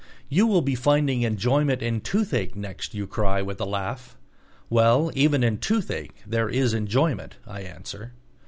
You will be finding enjoyment in toothache next," you cry, with a laugh. "Well, even in toothache there is enjoyment," I answer.